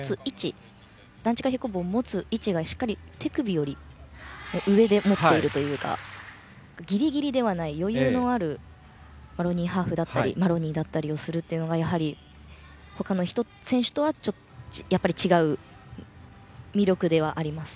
段違い平行棒の持つ位置がしっかり手首より上で持っているというかギリギリではない、余裕のあるマロニーハーフだったりマロニーだったりをするのがやはり他の選手とは違う魅力ではあります。